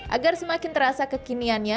agar semakin terasa kekiniannya